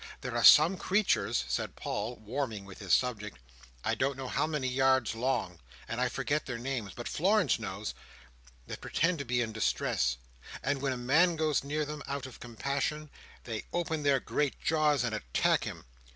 There are some creatures, said Paul, warming with his subject, "I don't know how many yards long, and I forget their names, but Florence knows, that pretend to be in distress; and when a man goes near them, out of compassion, they open their great jaws, and attack him.